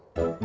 ya nunggu mak